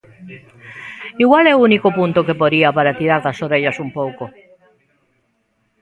Igual é o único punto que poría para tirar das orellas un pouco.